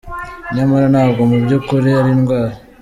Nyamara ntabwo mu by`ukuri ari indwara.